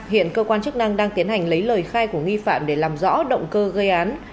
hiện cơ quan chức năng đang tiến hành lấy lời khai của nghi phạm để làm rõ động cơ gây án